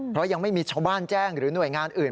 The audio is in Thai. เพราะยังไม่มีชาวบ้านแจ้งหรือหน่วยงานอื่น